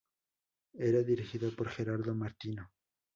Era dirigido por Gerardo Martino.